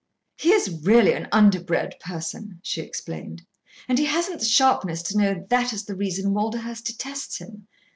"He is really an underbred person," she explained, "and he hasn't the sharpness to know that is the reason Walderhurst detests him.